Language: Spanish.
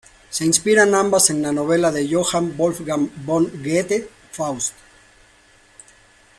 Se inspiran ambas en la novela de Johann Wolfgang von Goethe "Faust".